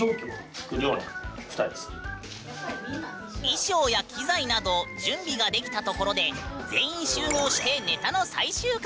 衣装や機材など準備ができたところで全員集合してネタの最終確認！